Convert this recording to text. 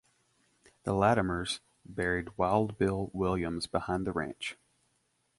The Lattimers buried Wild Bill Williams behind the ranch.